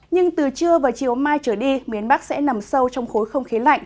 nhưng từ trưa và chiều mai trở đi miền bắc sẽ nằm sâu trong khối không khí lạnh